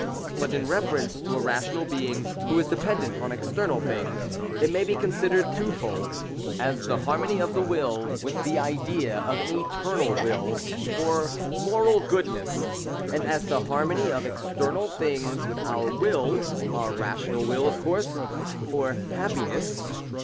But in reference to a rational being who is dependent on external things, it may be considered twofold ;— as the harmony of the Will with the idea of an Eternal Will, or, moral goodness; and as the harmony of external things with our Will (our rational will, of course), or happiness.